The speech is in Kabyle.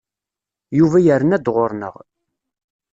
Yuba yerna-d ɣur-neɣ.